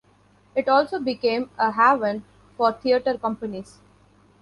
It also became a haven for theater companies.